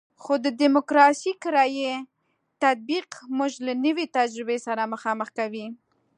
خو د ډیموکراسي کرایي تطبیق موږ له نوې تجربې سره مخامخ کړی.